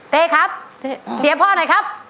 เต้ครับเสียพ่อหน่อยครับ